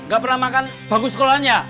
gak pernah makan bagus sekolahnya